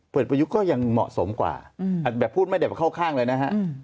ประยุทธ์ก็ยังเหมาะสมกว่าแบบพูดไม่ได้แบบเข้าข้างเลยนะฮะ